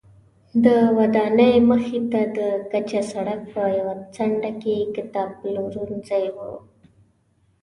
د ودانۍ مخې ته د کچه سړک په یوه څنډه کې کتابپلورځی و.